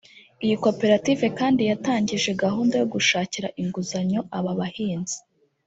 Iyi koperative kandi yatangije gahunda yo gushakira inguzanyo aba bahinzi